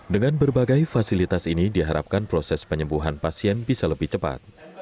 dengan berbagai fasilitas ini diharapkan proses penyembuhan pasien bisa lebih cepat